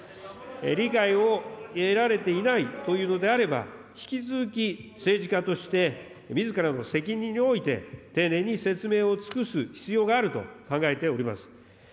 理解を得られていないというのであれば、引き続き、政治家として、みずからの責任において、丁寧に説明を尽くす必要があると考えております。